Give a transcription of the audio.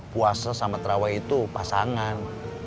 puasa sama terawai itu pasangan